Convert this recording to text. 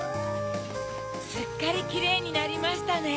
すっかりキレイになりましたね。